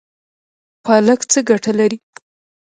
پالک څه ګټه لري؟